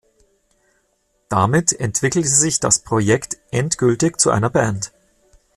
Damit entwickelte sich das Projekt endgültig zu einer Band.